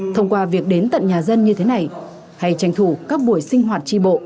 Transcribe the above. thông qua việc đến tận nhà dân như thế này hay tranh thủ các buổi sinh hoạt tri bộ